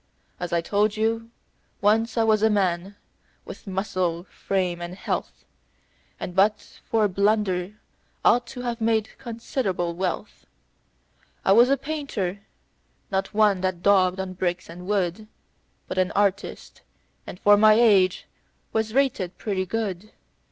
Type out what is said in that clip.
As I told you, once I was a man, with muscle, frame, and health, And but for a blunder ought to have made considerable wealth. "I was a painter not one that daubed on bricks and wood, But an artist, and for my age, was rated pretty good.